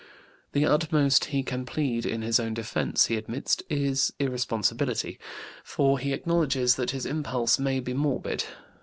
The utmost he can plead in his own defense, he admits, is irresponsibility, for he acknowledges that his impulse may be morbid.